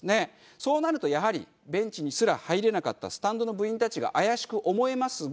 そうなるとやはりベンチにすら入れなかったスタンドの部員たちが怪しく思えますが。